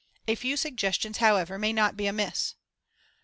A few suggestions, however, may not be amiss: 1.